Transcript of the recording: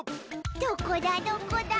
どこだどこだ？